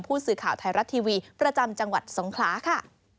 ผู้สื่อข่าวไทยรัฐทีวีประจำจังหวัดสงคลาค่ะ